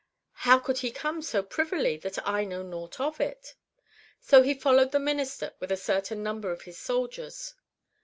How could he come so privily that I know nouoht of it?" So he followed the Minister with a certain number of his soldiers.